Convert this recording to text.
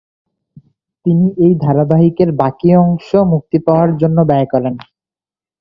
তিনি এই ধারাবাহিকের বাকি অংশ মুক্তি পাওয়ার জন্য ব্যয় করেন।